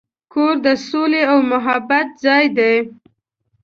کور د سولې او محبت ځای دی.